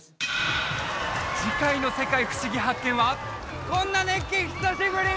次回の「世界ふしぎ発見！」はこんな熱気久しぶり！